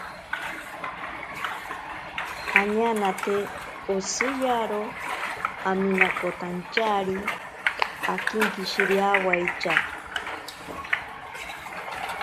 Añanate oshiyaro aminakotantyari akinkishiriawaitya.